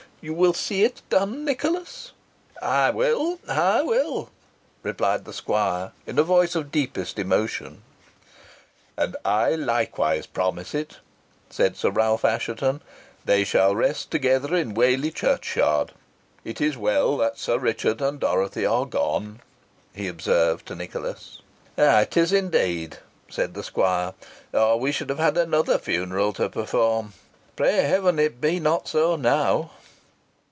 You will see it done, Nicholas?" "I will I will!" replied the squire, in a voice of deepest emotion. "And I likewise promise it," said Sir Ralph Assheton. "They shall rest together in Whalley churchyard. It is well that Sir Richard and Dorothy are gone," he observed to Nicholas. "It is indeed," said the squire, "or we should have had another funeral to perform. Pray Heaven it be not so now!"